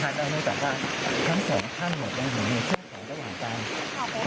อันนั้นแต่ว่าทั้งสองท่านหมดมันเหมือนมีเชื่อข่าวระหว่างกัน